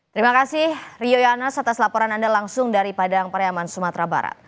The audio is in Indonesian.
terima kasih rio yonas atas laporan anda langsung dari padang pariaman sumatera barat